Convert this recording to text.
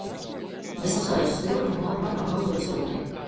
Es apstājos uz tilta un pāri margām raudzījos ūdenī.